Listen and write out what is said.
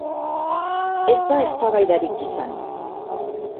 Ez da eztabaidarik izan.